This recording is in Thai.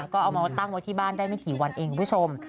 ก็เอามาตั้งไว้ที่บ้านได้ไม่กี่วันเองคุณผู้ชม